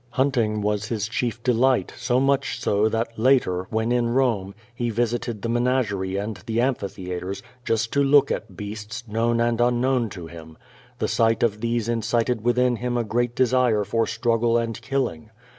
Hunt ing was his chief delight, so much so that later, when in Kome, he visited the menagerie and the amphitheatres, Just to look at beasts, known and unknown to him. The sight of these incited within him a great desire for struggle and killing.